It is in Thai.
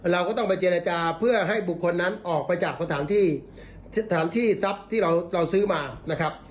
เราก็ต้องไปเจรจาเพื่อให้บุคคลนั้นออกไปจากสถานที่ที่เราซื้อมา